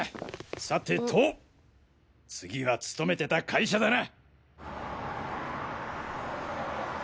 さてと次は勤めてた会社だな。